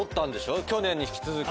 去年に引き続き。